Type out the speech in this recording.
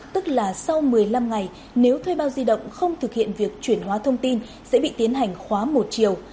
tức là sau một mươi năm ngày nếu thuê bao di động không thực hiện việc chuyển hóa thông tin sẽ bị tiến hành khóa một chiều